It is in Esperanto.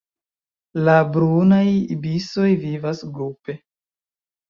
La Brunaj ibisoj vivas grupe.